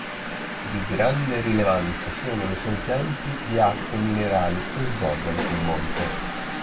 Di grande rilevanza sono le sorgenti di acque minerali che sgorgano sul monte.